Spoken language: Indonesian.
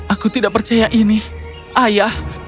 aku tidak percaya ini ayah